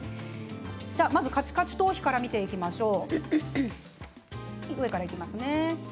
カチカチ頭皮から見ていきましょう。